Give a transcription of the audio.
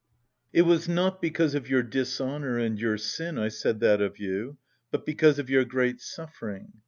"It was not because of your dishonour and your sin I said that of you, but because of your great suffering.